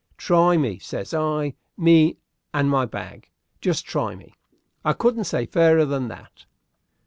'Try me,' says I, 'me and my bag. Just try me.' I couldn't say fairer than that."